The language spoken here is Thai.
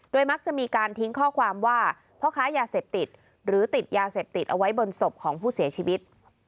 มักจะมีการทิ้งข้อความว่าพ่อค้ายาเสพติดหรือติดยาเสพติดเอาไว้บนศพของผู้เสียชีวิต